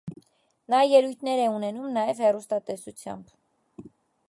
Նա ելույթներ է ունենում նաև հեռաստատեսությամբ։